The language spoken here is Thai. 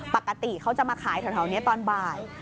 ปกติเขาจะมาขายแถวนี้ตอนบ่าย